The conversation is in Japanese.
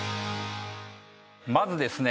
まずですね